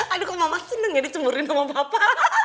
aduh kok mama senang ya dicemburuin sama papa